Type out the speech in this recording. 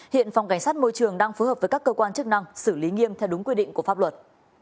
hiện phòng cảnh sát môi trường đang phối hợp với các cơ quan chức năng xử lý nghiêm theo đúng quy định của pháp luật